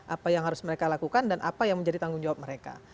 apa yang harus mereka lakukan dan apa yang menjadi tanggung jawab mereka